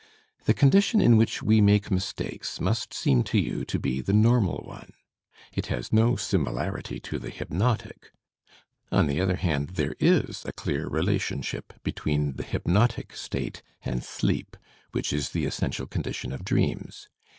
The condition in which we make mistakes most seem to you to be the normal one. It has no similarity to the hypnotic. On the other hand, there is a clear relationship between the hypnotic state and sleep, which is the essential condition of dreams.